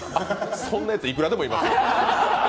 そんなやついくらでもいます。